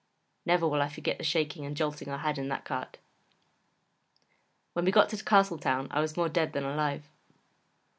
Never will I forget the shaking and jolting I had in that cart. When we got to Castletown I was more dead than alive.